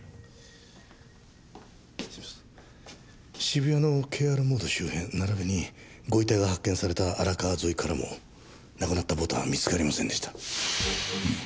渋谷のＫＲｍｏｄｅ周辺ならびにご遺体が発見された荒川沿いからもなくなったボタンは見つかりませんでした。